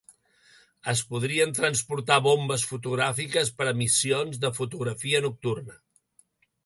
Es podrien transportar bombes fotogràfiques per a missions de fotografia nocturna.